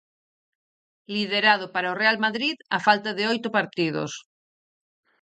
Liderado para o Real Madrid a falta de oito partidos.